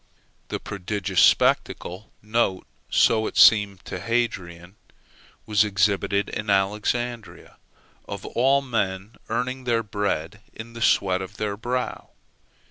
The prodigious spectacle (so it seemed to Hadrian) was exhibited in Alexandria, of all men earning their bread in the sweat of their brow.